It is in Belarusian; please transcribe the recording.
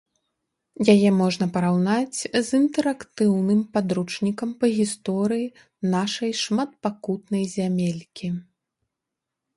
Яе можна параўнаць з інтэрактыўным падручнікам па гісторыі нашай шматпакутнай зямелькі.